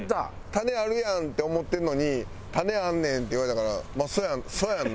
タネあるやんって思ってるのに「タネあんねん」って言われたから「まあそうやそうやんな」。